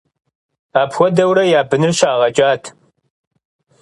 Апхуэдэурэ я быныр щагъэкӀат.